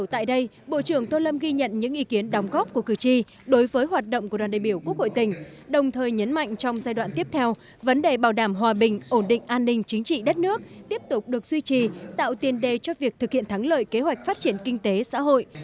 tại đây bộ trưởng tô lâm ghi nhận những ý kiến đóng góp của cử tri đối với hoạt động của đoàn đại biểu quốc hội tỉnh đồng thời nhấn mạnh trong giai đoạn tiếp theo vấn đề bảo đảm hòa bình ổn định an ninh chính trị đất nước tiếp tục được duy trì tạo tiền đề cho việc thực hiện thắng lợi kế hoạch phát triển kinh tế xã hội